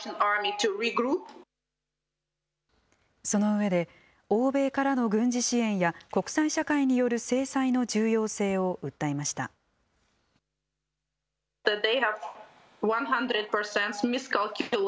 そのうえで欧米からの軍事支援や国際社会による制裁の重要性を訴えました。